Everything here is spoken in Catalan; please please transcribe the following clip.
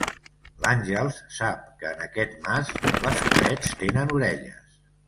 L'Àngels sap que en aquest mas les parets tenen orelles.